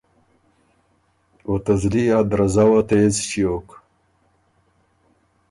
او ته زلی ا درزؤه تېز ݭیوک۔